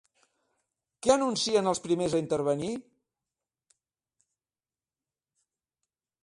Què anuncien els primers a intervenir?